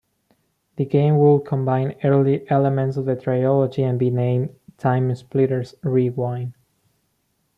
The game would combine earlier elements of the trilogy and be named "TimeSplitters Rewind".